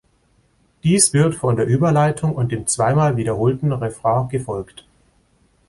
Dies wird von der Überleitung und dem zweimal wiederholten Refrain gefolgt.